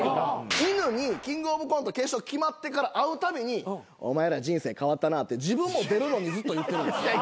いぬにキングオブコント決勝決まってから会うたびに「お前ら人生変わったな」って自分も出るのに言ってるんです。